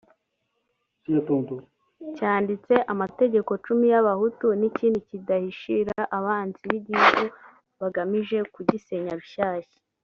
cyanditse amategeko cumi y’abahutu n’ik’indi kidahishira abanzi b’igihugu bagamije kugisenya rushyashya